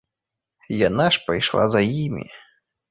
Яна ж пайшла за імі.